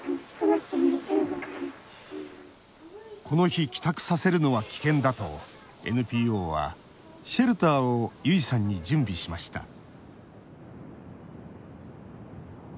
この日帰宅させるのは危険だとＮＰＯはシェルターをゆいさんに準備しました。